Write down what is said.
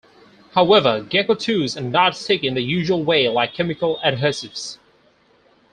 However gecko toes are not sticky in the usual way like chemical adhesives.